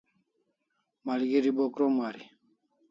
Malgeri bo krom ari